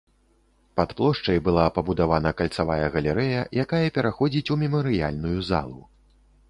Пад плошчай была пабудавана кальцавая галерэя, якая пераходзіць у мемарыяльную залу.